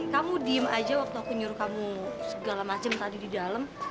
kamu diem aja waktu aku nyuruh kamu segala macam tadi di dalam